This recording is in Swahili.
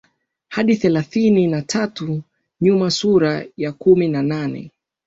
hadi thelathini na tatu nyuma sura ya kumi na nane